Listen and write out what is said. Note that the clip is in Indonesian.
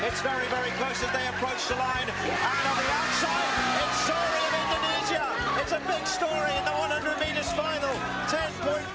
lalu ke final sepuluh satu